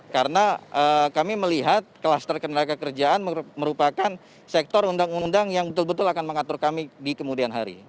karena kami melihat kluster kinerja kerjaan merupakan sektor undang undang yang betul betul akan mengatur kami di kemudian hari